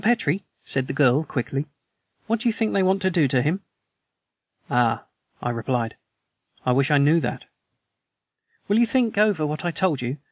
Petrie," said the girl quickly, "what do you think they want to do to him?" "Ah!" I replied, "I wish I knew that." "Will you think over what I have told you?